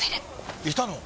いたの？